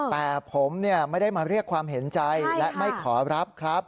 แต่ผมไม่ได้มาเรียกความเห็นใจและไม่ขอรับครับ